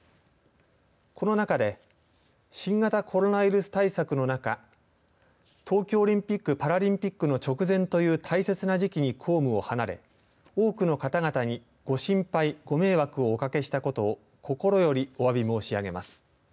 この中で新型コロナウイルス対策の中東京オリンピック・パラリンピックの直前という大切な時期に公務を離れ多くの方々にご心配、ご迷惑をおかけしたことを心よりおわび申し上げます。